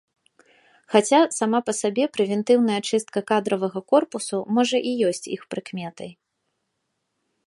Хаця сама па сабе прэвентыўная чыстка кадравага корпусу, можа, і ёсць іх прыкметай.